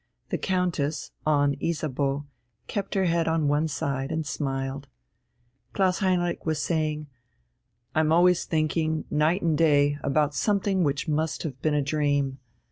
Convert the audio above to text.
The Countess, on Isabeau, kept her head on one side and smiled. Klaus Heinrich was saying: "I'm always thinking, night and day, about something which must have been a dream.